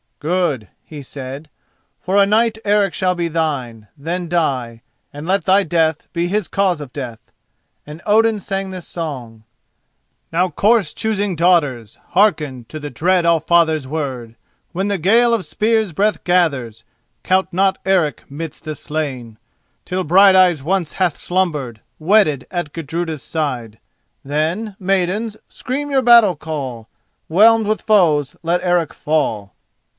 "Good," he said; "for a night Eric shall be thine. Then die, and let thy death be his cause of death." And Odin sang this song: "Now, corse choosing Daughters, hearken To the dread Allfather's word: When the gale of spears' breath gathers Count not Eric midst the slain, Till Brighteyen once hath slumbered, Wedded, at Gudruda's side— Then, Maidens, scream your battle call; Whelmed with foes, let Eric fall!"